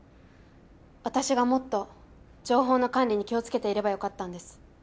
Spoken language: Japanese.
私がもっと情報の管理に気をつけていればよかったんです。